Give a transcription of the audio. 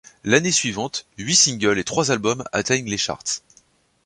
L'année suivante, huit singles et trois albums atteignent les charts.